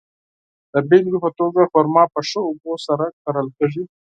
د بېلګې په توګه، خرما په ښه اوبو سره کرل کیږي.